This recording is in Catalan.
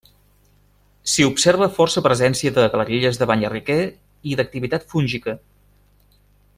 S'hi observa força presència de galeries de banyarriquer i d'activitat fúngica.